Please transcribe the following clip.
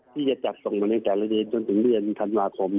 ที่จะจัดส่งมาในกรณีจนถึงเดือนธันวาคม